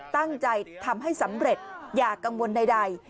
ตั้งใจทำให้สำเร็จอย่ากังวลใด